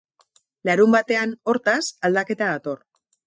Larunbatean, hortaz, aldaketa dator.